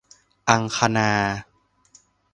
อังคณา